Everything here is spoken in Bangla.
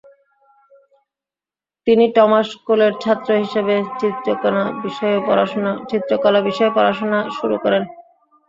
তিনি টমাস কোলের ছাত্র হিসাবে চিত্রকলা বিষয়ে পড়াশুনা শুরু করেন।